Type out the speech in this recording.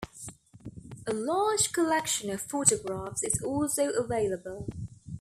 A large collection of photographs is also available.